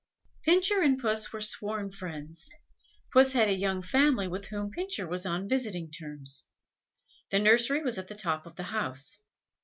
Pincher and Puss were sworn friends. Puss had a young family, with whom Pincher was on visiting terms. The nursery was at the top of the house.